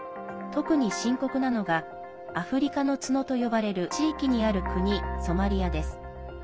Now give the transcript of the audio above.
特に深刻なのがアフリカの角と呼ばれる地域にある国、ソマリアです。